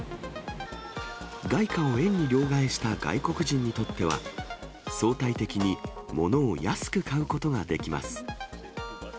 外貨を円に両替した外国人にとっては、相対的に物を安く買うことができます。